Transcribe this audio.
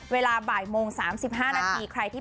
เวลาบ่ายโมง๓๕นาที